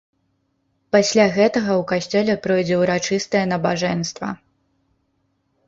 Пасля гэтага ў касцёле пройдзе ўрачыстае набажэнства.